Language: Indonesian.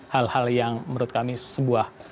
hal hal yang menurut kami sebuah